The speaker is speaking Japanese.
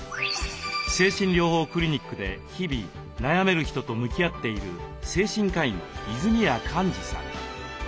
精神療法クリニックで日々悩める人と向き合っている精神科医の泉谷閑示さん。